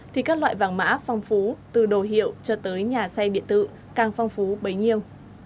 thì các loại vàng mã phong phú từ đồ hiệu cho tới nhà xe biện tự càng phong phú bấy nhiêu